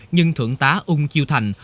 nhưng thượng tá ung chiêu thành